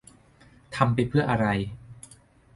ทำไปเพื่ออะไร